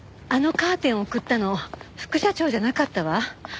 あのカーテン贈ったの副社長じゃなかったわ。